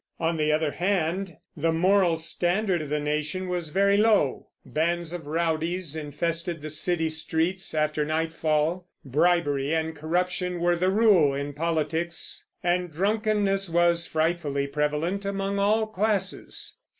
On the other hand, the moral standard of the nation was very low; bands of rowdies infested the city streets after nightfall; bribery and corruption were the rule in politics; and drunkenness was frightfully prevalent among all classes.